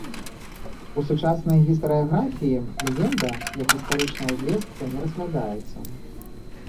У сучаснай гістарыяграфіі легенда як гістарычная звестка не разглядаецца.